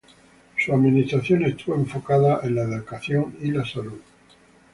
Su administración estuvo enfocado en la educación y la salud.